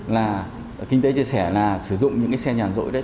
là kinh tế chia sẻ là sử dụng những xe nhà rỗi đấy